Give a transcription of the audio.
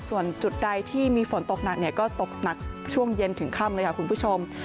ส่วนจุดใดที่มีฝนตกหนักก็ตกหนักช่วงเย็นถึงค่ำเลยค่ะคุณผู้ชม